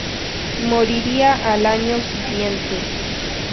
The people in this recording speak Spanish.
Moriría al año siguiente.